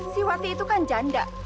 si wati itu kan janda